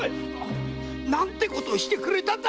何てことしてくれたんだ！